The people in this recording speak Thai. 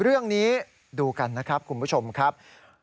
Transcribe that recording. เรื่องนี้ดูกันนะครับคุณผู้ชมครับ